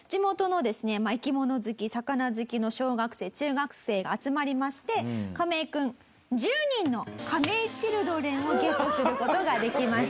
生き物好き魚好きの小学生中学生が集まりましてカメイ君１０人のカメイチルドレンをゲットする事ができました。